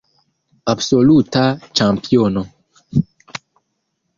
Absoluta ĉampiono.